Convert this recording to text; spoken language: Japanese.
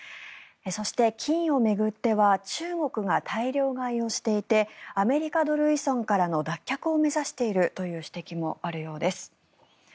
そして、金を巡っては中国が大量買いをしていてアメリカドル依存からの脱却を目指しているという指摘もあるようです。